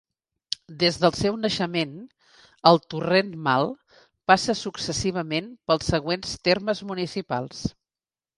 Des del seu naixement, el Torrent Mal passa successivament pels següents termes municipals.